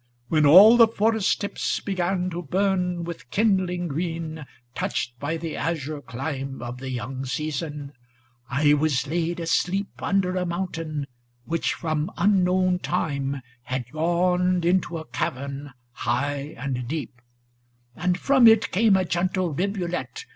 When all the forest tips began to burn * With kindling green, touched by the azure clime 310 Of the young season, I was laid asleep Under a mountain, which from unknown time * Had yawned into a cavern, high and deep; And from it came a gentle rivulet.